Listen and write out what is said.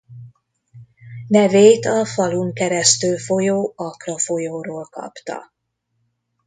Nevét a falun keresztül folyó Akra folyóról kapta.